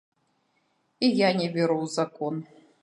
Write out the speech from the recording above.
І я не веру у закон.